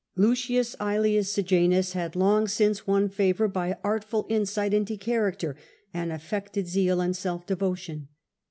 Lucius ^Elius Sejanus racter of had long since won favour by artful insight into character and affected zeal and self devotion.